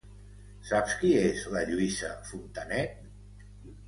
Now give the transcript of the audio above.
Saps qui és la Lluïsa Fontanet?